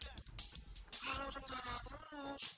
kalau sengsara terus